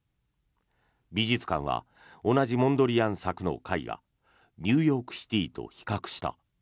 美術館は同じモンドリアン作の絵画「ニューヨークシティ」と比較した。